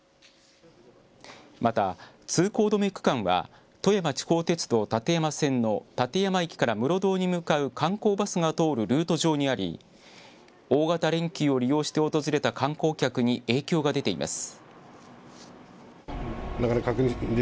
また通行止め区間は富山地方鉄道立山線の立山駅から室堂に向かう観光バスが通るルート上にあり大型連休を利用して訪れた観光客に影響が出ています。